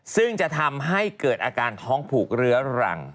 ซึ่งจะทำให้เกิดอาการท้องผูกเรื้อรัง